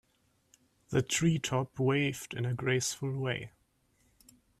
The tree top waved in a graceful way.